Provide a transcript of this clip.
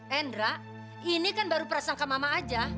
hendra ini kan baru prasangka mama aja